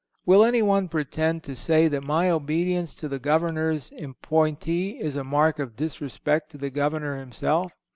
Will anyone pretend to say that my obedience to the Governor's appointee is a mark of disrespect to the Governor himself?